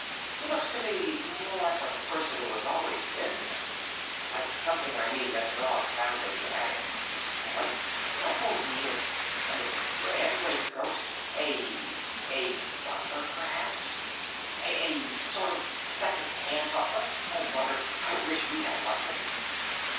"He looks to me more like a person who had always been there! Like something I mean that the dogs found in the attic! Quite crumpled he is! And with a red waistcoat! A A butler perhaps? A A sort of a second hand butler? Oh Mother! I wish we had a butler!"